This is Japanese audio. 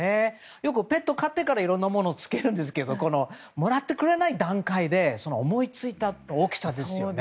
よくペット飼ってからいろんなものつけるんですけどもらってくれない段階で思いついた大きさですよね。